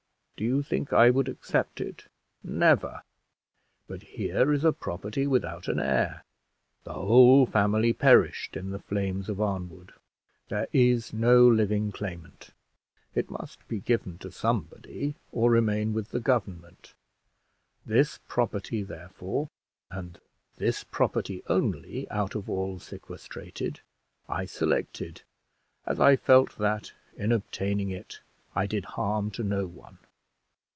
Do you think I would accept it? Never! But here is property without an heir; the whole family perished in the flames of Arnwood! There is no living claimant! It must be given to somebody, or remain with the government. This property, therefore, and this property only, out of all sequestrated, I selected, as I felt that, in obtaining it, I did harm to no one.